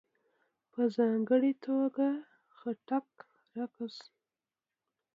په ځانګړې توګه ..خټک رقص..